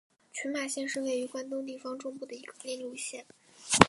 群马县是位于关东地方中部的一个内陆县。